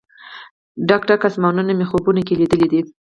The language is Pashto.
ډک، ډک اسمانونه مې خوبونو کې لیدلې دي